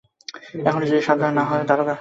এখনো যদি সাবধান না হও তা হলে– দারোগা।